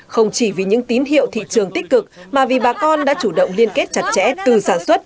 không chỉ vì những tín hiệu thị trường tích cực mà vì bà con đã chủ động liên kết chặt chẽ từ sản xuất